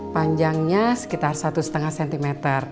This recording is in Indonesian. panjangnya sekitar satu lima cm